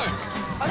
あれ？